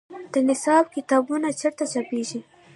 د نصاب کتابونه چیرته چاپیږي؟